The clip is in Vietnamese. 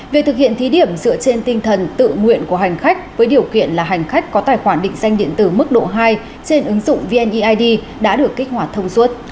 việc thực hiện thí điểm dựa trên tinh thần tự nguyện của hành khách với điều kiện là hành khách có tài khoản định danh điện tử mức độ hai trên ứng dụng vneid đã được kích hoạt thông suốt